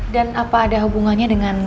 dan apa ada hubungannya dengan